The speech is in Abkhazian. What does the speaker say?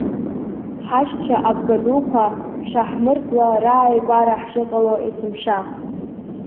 Ҳашьцәа абгадуқәа шаҳмырӡуа, рааигәара ҳшыҟало есымша.